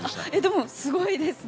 でも、すごいですね。